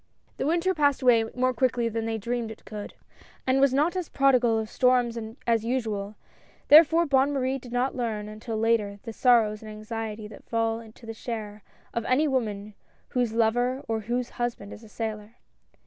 The winter passed away more quickly than they dreamed it could, and was not as prodigal of storms as usual, therefore Bonne Marie did not learn, until later, the sorrows and anxiety that fall to the share of any woman whose lover or whose husband is a sailor.